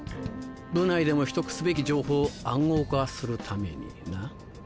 部内でも秘匿すべき情報を暗号化するためにな。